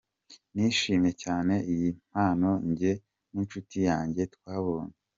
Nishimiye cyane iyi mpano njye n’inshuti yanjye twabonye.